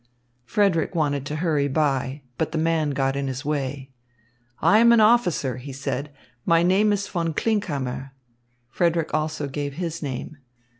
Frederick wanted to hurry by, but the man got in his way. "I am an officer," he said. "My name is Von Klinkhammer." Frederick also gave his name.